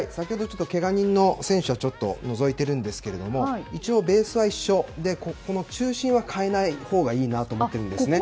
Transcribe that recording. けが人の選手をちょっと除いているんですけど一応、ベースは一緒で中心は代えないほうがいいなと思っているんですね。